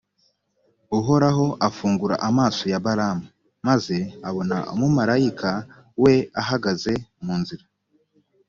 uhoraho afungura amaso ya balamu, maze abona umumalayika we ahagaze mu nzira.